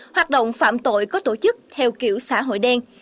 hoạt động phạm tội có tổ chức theo kiểu xã hội đen